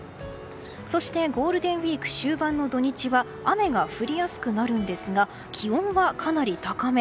そしてゴールデンウィーク終盤の土日は雨が降りやすくなるんですが気温はかなり高め。